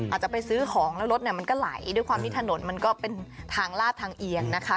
อาจจะไปซื้อของแล้วรถเนี่ยมันก็ไหลด้วยความที่ถนนมันก็เป็นทางลาดทางเอียงนะคะ